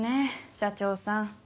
社長さん。